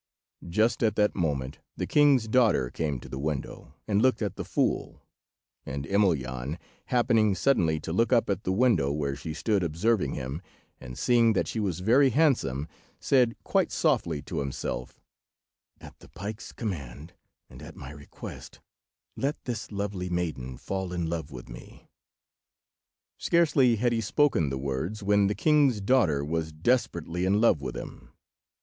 Just at that moment the king's daughter came to the window and looked at the fool, and Emelyan, happening suddenly to look up at the window where she stood observing him, and seeing that she was very handsome, said, quite softly to himself— "At the pike's command, and at my request, let this lovely maiden fall in love with me." Scarcely had he spoken the words, when the king's daughter was desperately in love with him.